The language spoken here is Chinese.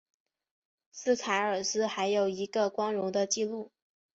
斯凯尔斯还有一个光荣的记录。